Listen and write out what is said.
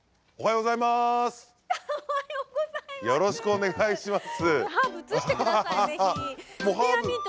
よろしくお願いします。